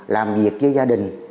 làm việc với gia đình